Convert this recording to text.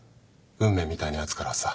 運命みたいなやつからはさ。